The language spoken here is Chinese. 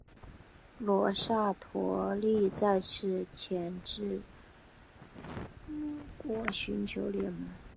罗娑陀利再次遣使至兰纳与掸族地区寻求联盟。